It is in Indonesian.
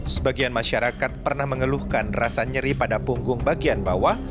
sebagian masyarakat pernah mengeluhkan rasa nyeri pada punggung bagian bawah